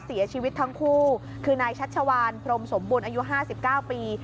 เสียชีวิตทั้งคู่คือนายชัชวานพรมสมบูรณ์อายุ๕๙ปี